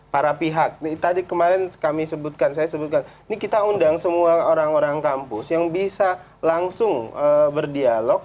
para pihak tadi kemarin kami sebutkan saya sebutkan ini kita undang semua orang orang kampus yang bisa langsung berdialog